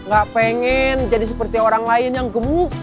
gak pengen jadi seperti orang lain yang gemuk